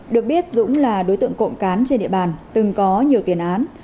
được biết dũng là đối tượng cộng cán trên địa bàn từng có nhiều tiền án